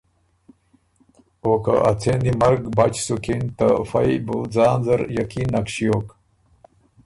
او که اڅېن دی مرګ بچ سُکِن ته فئ بُو ځان زر یقین نک ݭیوک